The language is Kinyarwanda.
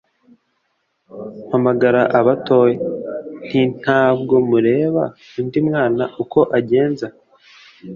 mpamagara abatoya. nti ntabwo mureba undi mwana uko agenza